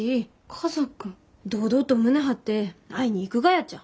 堂々と胸張って会いに行くがやちゃ。